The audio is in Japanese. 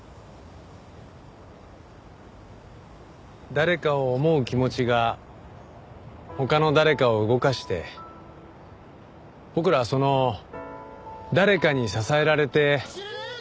誰かを思う気持ちが他の誰かを動かして僕らはその誰かに支えられて生きてるんですよね。